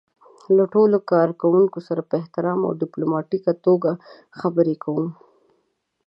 له ټولو کار کوونکو سره په احترام او ډيپلوماتيکه توګه خبرې کول.